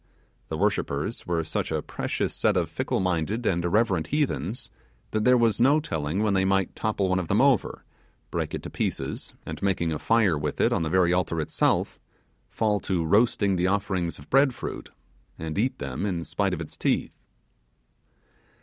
Their worshippers were such a precious set of fickle minded and irreverent heathens, that there was no telling when they might topple one of them over, break it to pieces, and making a fire with it on the very altar itself, fall to roasting the offerings of bread fruit, and at them in spite of its teeth.